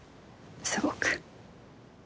すごく。